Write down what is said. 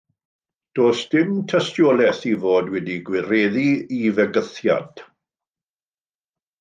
Does dim tystiolaeth ei fod wedi gwireddu ei fygythiad.